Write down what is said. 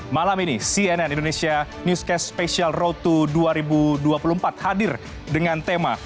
malam ini cnn indonesia newscast special road to dua ribu dua puluh empat hadir dengan tema